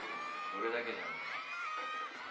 それだけじゃねえ。